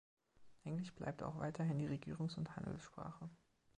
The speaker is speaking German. Englisch bleibt auch weiterhin die Regierungs- und Handelssprache.